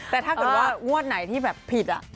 แต่ถ้าเกิดว่างวดไหนที่แบบผิด